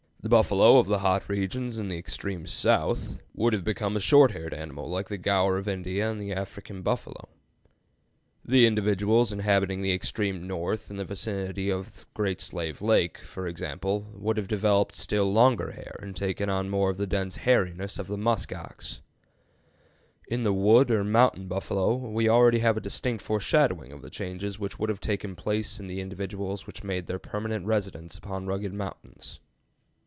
The buffalo of the hot regions in the extreme south would have become a short haired animal like the gaur of India and the African buffalo. The individuals inhabiting the extreme north, in the vicinity of Great Slave Lake, for example, would have developed still longer hair, and taken on more of the dense hairyness of the musk ox. In the "wood" or "mountain buffalo" we already have a distinct foreshadowing of the changes which would have taken place in the individuals which made their permanent residence upon rugged mountains.